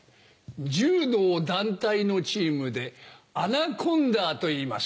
柔道団体のチームでアナコンダーといいます。